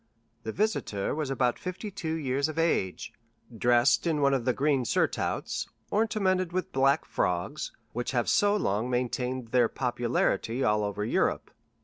The visitor was about fifty two years of age, dressed in one of the green surtouts, ornamented with black frogs, which have so long maintained their popularity all over Europe.